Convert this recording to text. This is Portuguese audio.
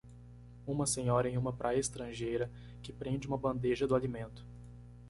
Uma senhora em uma praia estrangeira que prende uma bandeja do alimento.